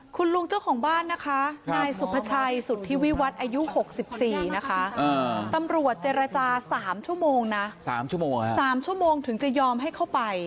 คุณลุงเจ้าของบ้านนะคะนายสุภาชัยสุธิวิวัฒน์อายุ๖๔นะคะตำรวจเจรจา๓ชั่วโมงนะ๓ชั่วโมงถึงจะยอมให้เข้าไป